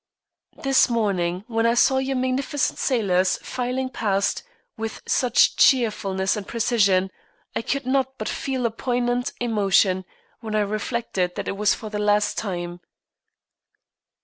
"This morning when I saw your magnificent sailors filing past with such cheerfulness and precision, I could not but feel a poignant emotion when I reflected that it was for the last time."